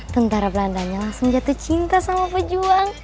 tentara belandanya langsung jatuh cinta sama pejuang